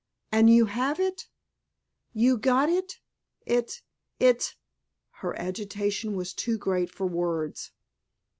"And you have it—you got it—it—it——" her agitation was too great for words.